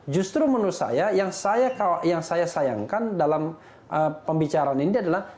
justru menurut saya yang saya sayangkan dalam pembicaraan ini adalah